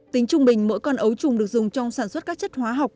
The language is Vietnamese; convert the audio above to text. tính trung bình mỗi con ấu trùng được dùng trong sản xuất các chất hóa học